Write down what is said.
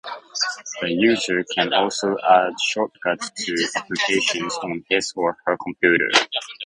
The user can also add shortcuts to applications on his or her computer.